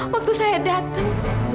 waktu saya dateng